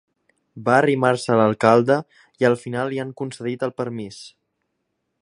Va arrimar-se a l'alcalde i al final li han concedit el permís.